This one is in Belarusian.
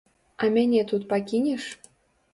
А мяне тут пакінеш?